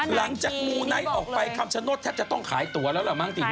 หลังจากมูไนท์ออกไปคำชะนดแทบจะต้องขายตัวแล้วแหละมั่งติดหน่อย